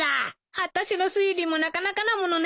あたしの推理もなかなかなものね。